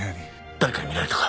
誰かに見られたか？